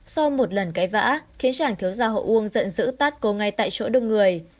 sau một lần cãi vã khiến chàng thiếu gia hộ uông giận dữ tắt cô ngay tại chỗ đông người